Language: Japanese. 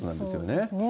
そうですね。